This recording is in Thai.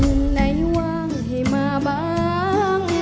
ไหนว่างให้มาบ้าง